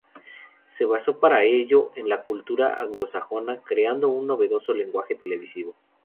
Se basó para ello en la cultura anglosajona, creando un novedoso lenguaje televisivo.